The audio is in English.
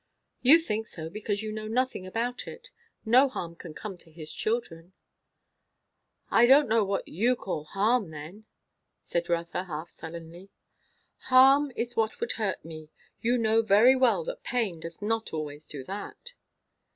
"You think so, because you know nothing about it. No harm can come to his children." "I don't know what you call harm, then," said Rotha half sullenly. "Harm is what would hurt me. You know very well that pain does not always do that."